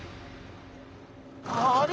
あれ？